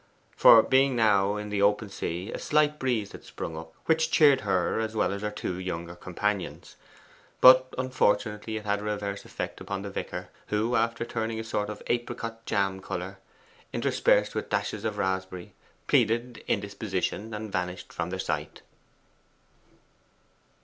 For being now in the open sea a slight breeze had sprung up, which cheered her as well as her two younger companions. But unfortunately it had a reverse effect upon the vicar, who, after turning a sort of apricot jam colour, interspersed with dashes of raspberry, pleaded indisposition, and vanished from their sight.